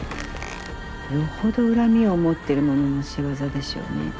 よほど恨みを持ってる者の仕業でしょうね。